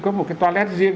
có một cái toilet riêng